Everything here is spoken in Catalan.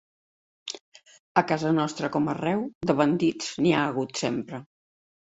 A casa nostra, com arreu, de bandits n'hi ha hagut sempre.